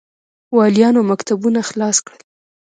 والیانو مکتوبونه خلاص کړل.